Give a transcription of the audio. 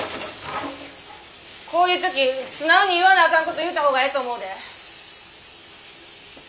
こういう時素直に言わなあかんこと言うた方がええと思うで。